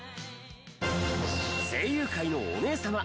声優界のお姉様。